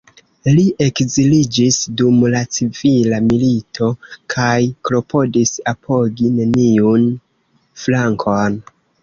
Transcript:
Li ekziliĝis dum la civila milito, kaj klopodis apogi neniun flankon.